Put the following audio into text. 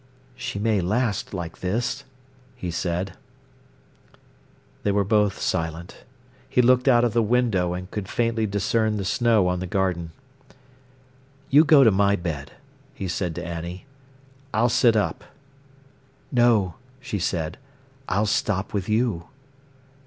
"She may last like this," he said. They were both silent. He looked out of the window, and could faintly discern the snow on the garden. "You go to my bed," he said to Annie. "I'll sit up." "No," she said, "I'll stop with you."